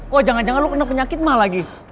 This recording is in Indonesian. kok jangan jangan lu kena penyakit ma lagi